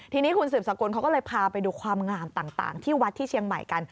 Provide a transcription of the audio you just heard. ทีนี้คุณสืบสกุลเขาก็เลยพาไปดูความงามต่างที่วัดที่เชียงใหม่กัน